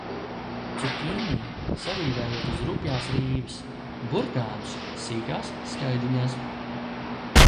Cukīni sarīvējiet uz rupjās rīves, burkānus – sīkās skaidiņās.